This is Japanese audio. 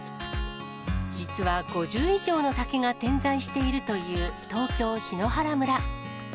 実は５０以上の滝が点在しているという東京・檜原村。